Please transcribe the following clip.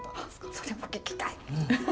それも聞きたい。